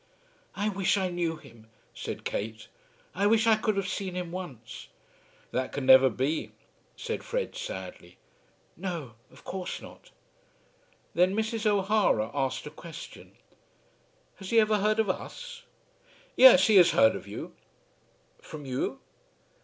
"I wish I knew him," said Kate. "I wish I could have seen him once." "That can never be," said Fred, sadly. "No; of course not." Then Mrs. O'Hara asked a question. "Has he ever heard of us?" "Yes; he has heard of you." "From you?"